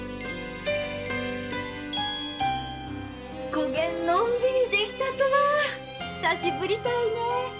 こげんのんびりできたとは久しぶりたいね。